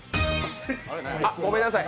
あっ、ごめんなさい。